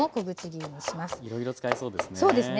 いろいろ使えそうですね。